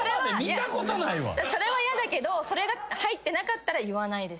それは嫌だけどそれが入ってなかったら言わない。